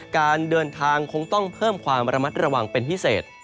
การเดินทางคงต้องเพิ่มความระมัดระวังเป็นพิเศษ